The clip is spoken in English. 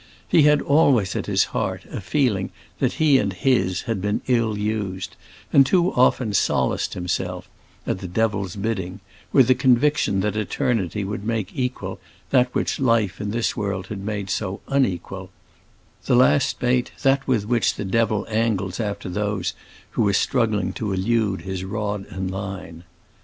He had always at his heart a feeling that he and his had been ill used, and too often solaced himself, at the devil's bidding, with the conviction that eternity would make equal that which life in this world had made so unequal; the last bait that with which the devil angles after those who are struggling to elude his rod and line.